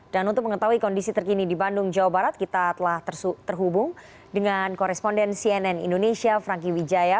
dan untuk mengetahui kondisi terkini di bandung jawa barat kita telah terhubung dengan koresponden cnn indonesia franky wijaya